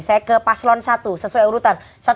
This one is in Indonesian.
saya ke paslon satu sesuai urutan